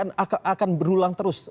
dia akan berulang terus